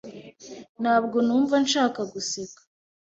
Ntabwo numva nshaka guseka.